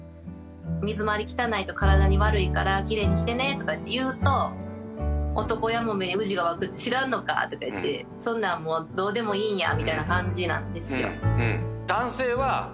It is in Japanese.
水回り汚いと体に悪いから奇麗にしてねとかって言うと「男やもめに蛆がわくって知らんのか？」とか言って「そんなんどうでもいいんや」みたいな感じなんですよ。